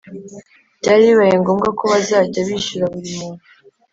byari bibaye ngombwa ko bazajya bishyura burimuntu